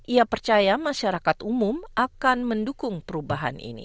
ia percaya masyarakat umum akan mendukung perubahan ini